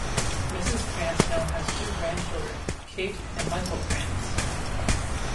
Mrs. Krantz now has two grandchildren, Kate and Michael Krantz.